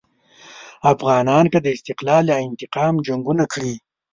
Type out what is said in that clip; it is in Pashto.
افغانانو که د استقلال یا انتقام جنګونه کړي.